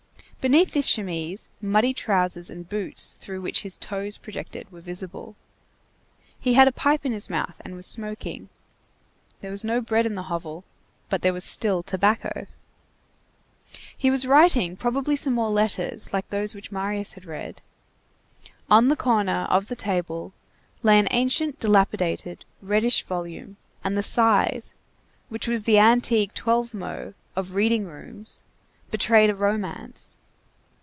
Beneath this chemise, muddy trousers and boots through which his toes projected were visible. He had a pipe in his mouth and was smoking. There was no bread in the hovel, but there was still tobacco. He was writing probably some more letters like those which Marius had read. On the corner of the table lay an ancient, dilapidated, reddish volume, and the size, which was the antique 12mo of reading rooms, betrayed a romance.